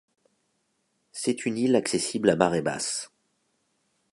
C'est une île accessible à marée basse.